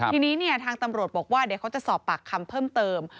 ทีนี้ทางตำรวจบอกว่าเดี๋ยวเขาจะสอบปากคำเพิ่มเติม